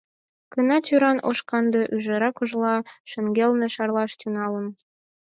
Кына тӱран ош-канде ӱжара кожла шеҥгелне шарлаш тӱҥалын.